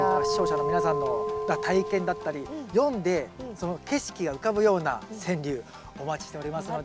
視聴者の皆さんの体験だったり詠んでその景色が浮かぶような川柳お待ちしておりますので。